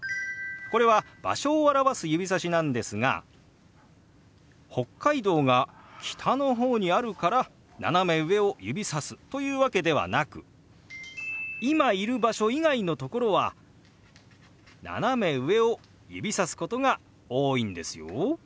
これは場所を表す指さしなんですが北海道が北の方にあるから斜め上を指さすというわけではなく今いる場所以外の所は斜め上を指さすことが多いんですよ。